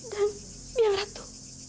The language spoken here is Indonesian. dan biang ratu